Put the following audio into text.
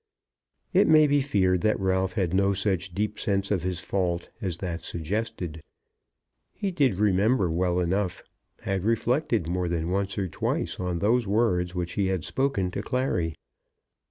It may be feared that Ralph had no such deep sense of his fault as that suggested. He did remember well enough, had reflected more than once or twice, on those words which he had spoken to Clary.